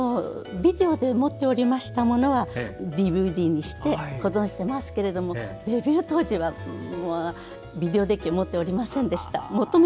ビデオで持っておりましたものはＤＶＤにして保存していますけどデビュー当時はビデオデッキを持っていませんでした。